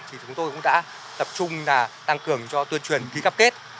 chúng tôi cũng đã tập trung tăng cường cho tuyên truyền ký cắp kết